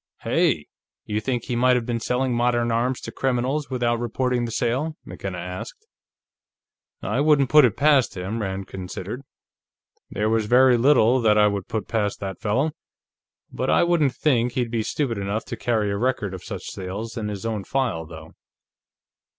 "Hey! You think he might have been selling modern arms to criminals, without reporting the sale?" McKenna asked. "I wouldn't put it past him," Rand considered. "There was very little that I would put past that fellow. But I wouldn't think he'd be stupid enough to carry a record of such sales in his own file, though."